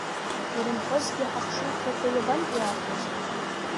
Ирымҳәозҭгьы ҳахшыҩҭрақәа иабантәиааргоз?